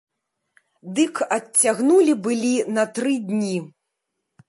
Дык адцягнулі былі на тры дні.